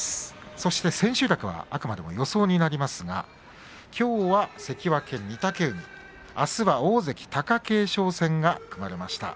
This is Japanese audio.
そして千秋楽はあくまで予想になりますがきょうは関脇御嶽海あすは大関貴景勝戦が組まれました。